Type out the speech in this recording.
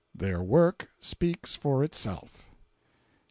Their work speaks for itself.